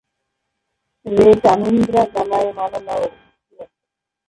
রে টানিন্দ্রাযানায় মালালা ও!